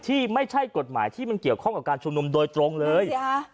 ที่ไม่ใช่กฎหมายที่มันเกี่ยวข้องกับการชุมนุมโดยตรงเลย